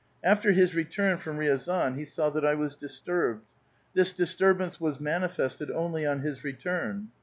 After his return from Riazan he saw that I was disturbed. This disturbance was manifested only on his return.